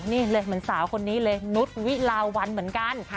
นี่เลยเหมือนสาวคนนี้เลยนุษย์วิลาวันเหมือนกัน